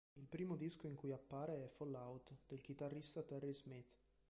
Il primo disco in cui appare è "Fall out" del chitarrista Terry Smith.